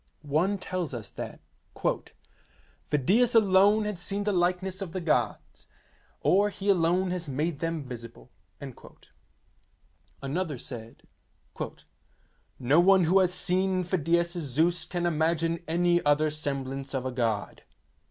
One tells us that '' Phidias alone has seen the like ness of the gods, or he alone has made them visible." Another said: 'No one who has seen Phidias's Zeus can imagine any other semblance of a god."